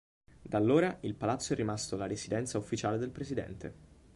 Da allora, il palazzo è rimasto la residenza ufficiale del presidente.